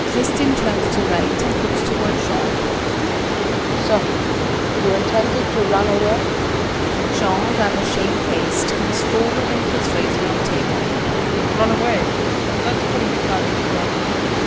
KRISTIN [Turns to R. and looks toward Jean]. So you intended to run away? JEAN [Rather shamefaced comes forward and puts razor on table]. Run away? That's putting it rather strong.